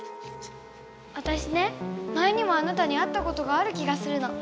わたしね前にもあなたに会ったことがある気がするの。